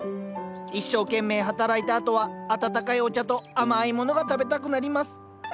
一生懸命働いたあとは温かいお茶と甘いものが食べたくなります